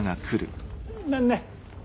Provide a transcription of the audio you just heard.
何ね？